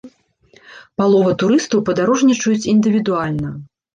Палова турыстаў падарожнічаюць індывідуальна.